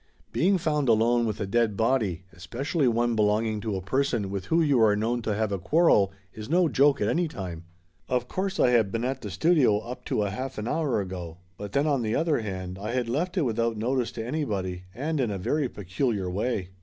Being found alone with a dead body, especially one belonging to a person with who you are known to have a quarrel, is no joke at any time. Of course I had been at the studio up to half an hour ago, but then on the other hand I had left it without notice to anybody and in a very peculiar way.